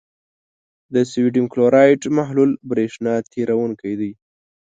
د سوډیم کلورایډ محلول برېښنا تیروونکی دی.